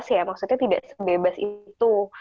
ya maksudnya tidak sebebas itu